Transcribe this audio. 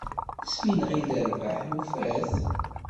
Ass mi nɣil rrbeḥ nufa-t.